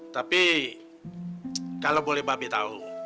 tapi kalau boleh babi tahu